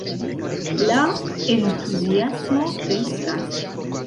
La entuziasmo kreskas.